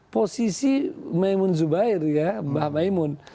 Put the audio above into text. posisi maimun zubair ya mbah maimun